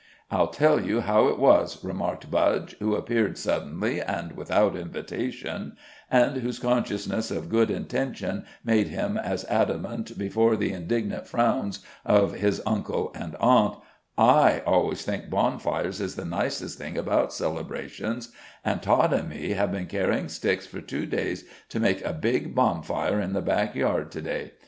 "I'll tell you how it was," remarked Budge, who appeared suddenly and without invitation, and whose consciousness of good intention made him as adamant before the indignant frowns of his uncle and aunt, "I always think bonfires is the nicest things about celebrations, an' Tod an' me have been carryin' sticks for two days to make a big bonfire in the back yard to day.